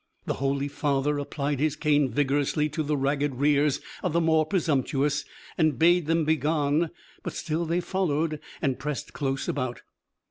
The holy father applied his cane vigorously to the ragged rears of the more presumptuous, and bade them begone, but still they followed and pressed close about.